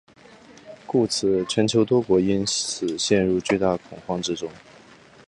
故此全球多国因此陷入巨大恐慌之中。